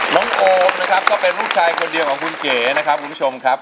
โอมนะครับก็เป็นลูกชายคนเดียวของคุณเก๋นะครับคุณผู้ชมครับ